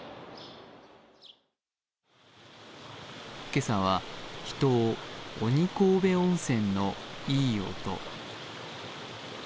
今朝は、秘湯・鬼首温泉のいい音。